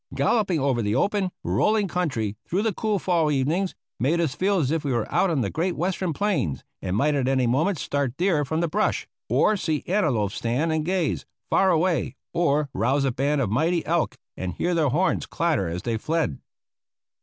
Galloping over the open, rolling country, through the cool fall evenings, made us feel as if we were out on the great Western plains and might at any moment start deer from the brush, or see antelope stand and gaze, far away, or rouse a band of mighty elk and hear their horns clatter as they fled.